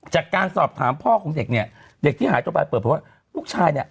จากการสอบถามพ่อของเด็กเนี่ยเด็กที่หายตัวไปเปิดเผยว่าลูกชายเนี่ย